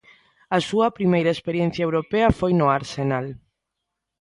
A súa primeira experiencia europea foi no Arsenal.